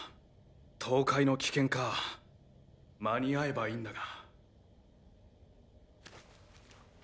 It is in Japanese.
倒壊の危険か間に合えばいいんだが。